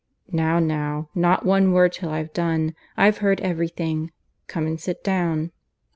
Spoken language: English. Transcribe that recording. "Now, now; not one word till I've done. I've heard everything. Come and sit down."